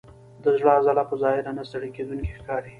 د زړه عضله په ظاهره نه ستړی کېدونکې ښکاري.